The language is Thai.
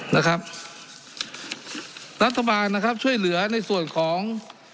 นะครับรัฐบาลนะครับช่วยเหลือในส่วนของ